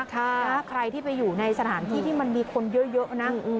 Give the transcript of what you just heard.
ถ้าใครที่ไปอยู่ในสถานที่ที่มันมีคนเยอะนะ